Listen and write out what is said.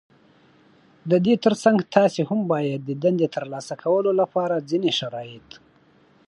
د دې تر څنګ تاسې هم بايد د دندې ترلاسه کولو لپاره ځينې شرايط